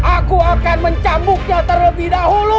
aku akan mencambuknya terlebih dahulu